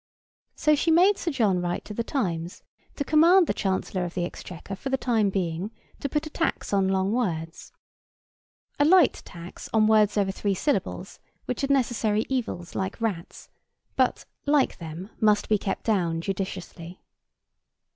So she made Sir John write to the Times to command the Chancellor of the Exchequer for the time being to put a tax on long words;— A light tax on words over three syllables, which are necessary evils, like rats: but, like them, must be kept down judiciously.